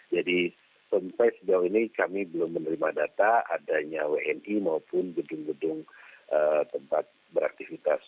jadi sampai sejauh ini kami belum menerima data adanya wni maupun gedung gedung tempat beraktifitas